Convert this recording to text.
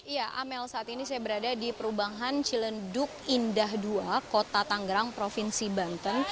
ya amel saat ini saya berada di perubahan cilenduk indah dua kota tanggerang provinsi banten